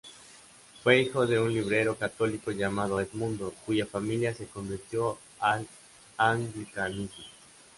Fue hijo de un librero católico llamado Edmundo, cuya familia se convirtió al anglicanismo.